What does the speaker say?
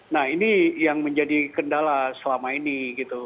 nah ini yang menjadi kendala selama ini gitu